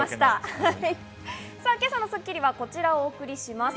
今朝の『スッキリ』はこちらをお送りします。